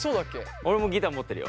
俺もギター持ってるよ。